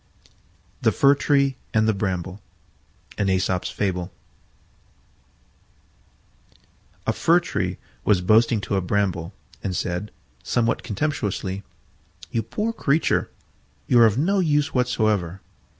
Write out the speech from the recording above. THE FIR TREE AND THE BRAMBLE A Fir tree was boasting to a Bramble, and said, somewhat contemptuously, "You poor creature, you are of no use whatever.